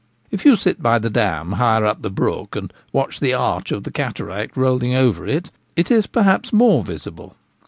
If you sit by the dam higher up the brook, and watch the arch of the cataract rolling over, it is perhaps more .visible.